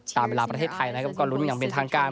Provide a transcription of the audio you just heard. ตามเวลาประเทศไทยนะครับก็ลุ้นอยู่อย่างเป็นทางการ